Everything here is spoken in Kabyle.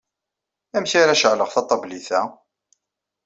Amek ara ceɛleɣ taṭablit-a?